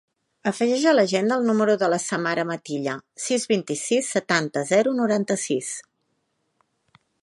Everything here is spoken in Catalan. Afegeix a l'agenda el número de la Samara Matilla: sis, vint-i-sis, setanta, zero, noranta-sis.